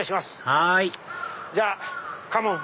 はいじゃあカモン！